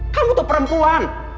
kamu tuh perempuan